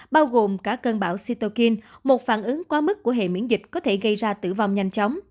bao gồm cả cơn bão sitokin một phản ứng quá mức của hệ miễn dịch có thể gây ra tử vong nhanh chóng